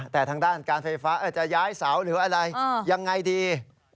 แต่ทางด้านการไฟฟ้าจะย้ายเสาหรืออะไรยังไงดี